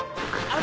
あ！